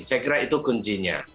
saya kira itu kuncinya